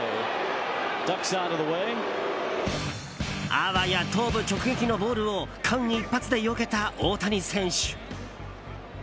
あわや頭部直撃のボールを間一髪でよけた大谷選手。